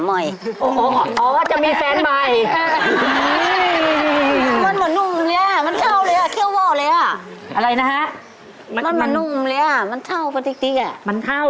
ลดมาได้กันลดจะเป็นแสวฮ่ำกำ